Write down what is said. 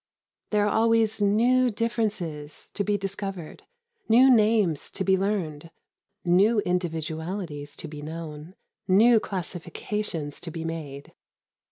There are always new differences to be discovered, new names to be learned, new individualities to be known, new classifications to be made.